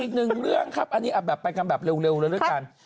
อีกหนึ่งเรื่องครับอันนี้เป็นการแบบเร็วด้วยกัน